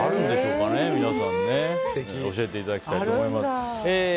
皆さん教えていただきたいと思います。